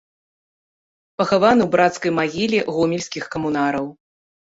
Пахаваны ў брацкай магіле гомельскіх камунараў.